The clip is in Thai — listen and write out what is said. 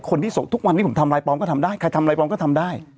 คนที่ส่งทุกวันนี้ผมทำลายปลอมก็ทำได้ใครทำอะไรปลอมก็ทำได้